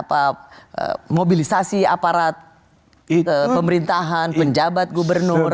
apa mobilisasi aparat pemerintahan penjabat gubernur